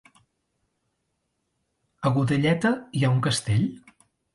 A Godelleta hi ha un castell?